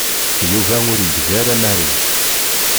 Yuba ur yegzi ara Mary.